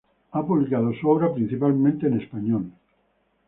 Ha publicado su obra principalmente en español.